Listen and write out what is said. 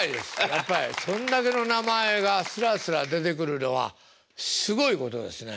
やっぱりそれだけの名前がすらすら出てくるのはすごいことですね。